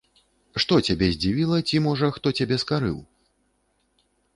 Што цябе здзівіла, ці, можа, хто цябе скарыў?